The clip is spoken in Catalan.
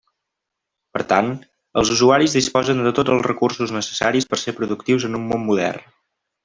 Per tant, els usuaris disposen de tots els recursos necessaris per ser productius en un món modern.